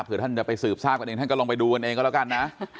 เพื่อท่านจะไปสืบทราบกันเองท่านก็ลองไปดูกันเองก็แล้วกันนะ